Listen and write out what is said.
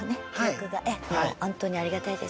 ほんとにありがたいです。